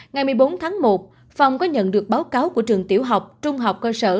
ngày một mươi bốn tháng một phòng có nhận được báo cáo của trường tiểu học trung học cơ sở